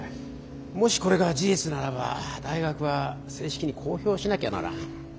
もしこれが事実ならば大学は正式に公表しなきゃならん。